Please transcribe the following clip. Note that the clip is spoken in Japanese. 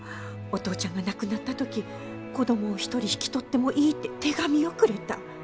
お父ちゃんが亡くなった時子供を１人引き取ってもいいって手紙をくれた。